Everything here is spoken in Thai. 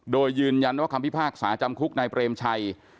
โดยยืนยันว่าคำพิพากษาจำคุกนายเปรมชัย